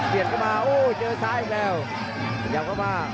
เปลี่ยนเข้ามาโอ้เจอสายอีกแล้วจัดการเข้ามา